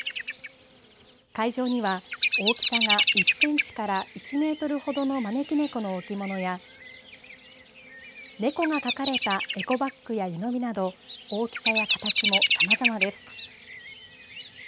会場には、大きさが１センチから１メートルほどの招き猫の置物や猫が描かれたエコバッグや湯飲みなど大きさや形もさまざまです。